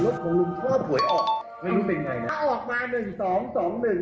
รถของลุงท่อผวยออกไม่รู้เป็นยังไงนะ